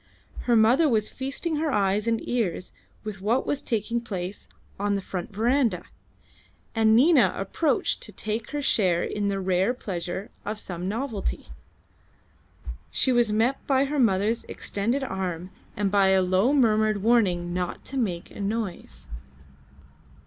Her mother was feasting her eyes and ears with what was taking place on the front verandah, and Nina approached to take her share in the rare pleasure of some novelty. She was met by her mother's extended arm and by a low murmured warning not to make a noise.